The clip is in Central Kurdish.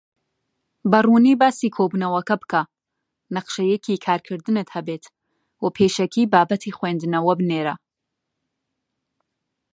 بەڕوونی باسی کۆبوونەوەکە بکە، نەخشەیەکی کارکردنت هەبێت، و پێشەکی بابەتی خویندنەوە بنێرە.